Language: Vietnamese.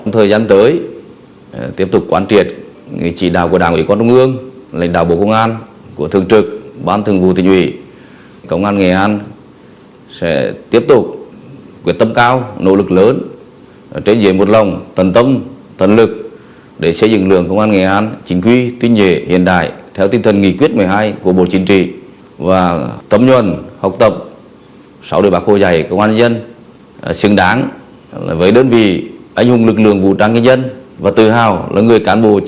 thời gian tới tiếp tục quản triệt chỉ đạo của đảng ủy quan đông ương lãnh đạo bộ công an của thượng trực ban thượng vụ tình ủy công an nghệ an sẽ tiếp tục quyết tâm cao nỗ lực lớn trẻ dễ một lòng tận tâm tận lực để xây dựng lượng công an nghệ an chính quy tuyên dễ hiện đại theo tinh thần nghị quyết một mươi hai của bộ chính trị